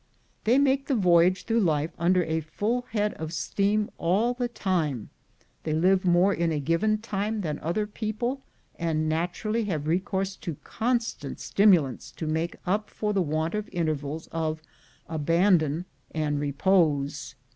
They make the voyage through life under a full head of steam all the time; they live more in a given time than other people, and naturally have recourse to constant stimulants to make up for the want of intervals of abandon and repose.